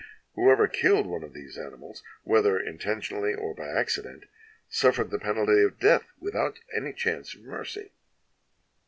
Whoever killed one of these animals, whether intentionally or by accident, suffered the penalty of death, without any chance of mercy.